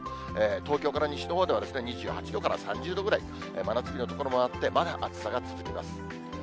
東京から西のほうでは２８度から３０度ぐらい、真夏日の所もあって、まだ暑さが続きます。